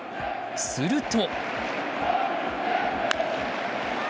すると。